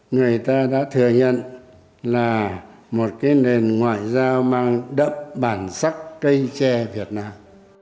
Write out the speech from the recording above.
người ta đã thừa nhận là một cái nền ngoại giao mang đậm bản sắc cây tre việt nam